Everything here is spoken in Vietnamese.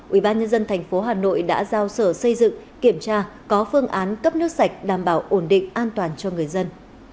ubnd tp hà nội đã giao sở xây dựng kiểm tra có phương án cấp nước sạch đảm bảo ổn định an toàn cho người dân